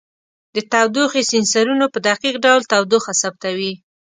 د تودوخې سینسرونو په دقیق ډول تودوخه ثبتوي.